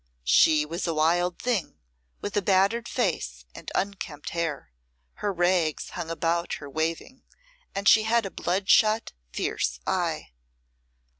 She was a wild thing, with a battered face and unkempt hair; her rags hung about her waving, and she had a bloodshot, fierce eye.